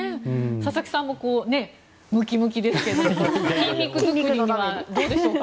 佐々木さんもムキムキですけども筋肉作りにはどうでしょうか？